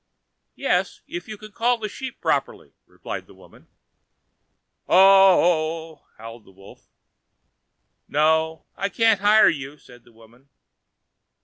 "Yes, if you can call the sheep properly," replied the woman. "Uh—uh!" howled the wolf. "No, I can't hire you," said the woman.